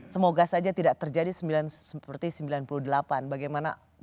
semoga saja tidak terjadi seperti sembilan puluh delapan bagaimana